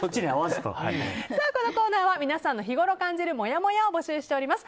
このコーナーは皆さんの日ごろ感じるもやもやを募集しています。